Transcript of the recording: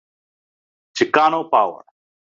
Chicano Power!